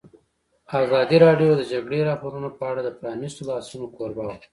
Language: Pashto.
ازادي راډیو د د جګړې راپورونه په اړه د پرانیستو بحثونو کوربه وه.